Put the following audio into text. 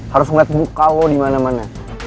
harus ngeliat muka lo dimana mana